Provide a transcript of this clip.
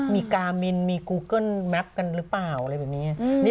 มีกามินมีกูเกิ้ลแมพกันหรือเปล่า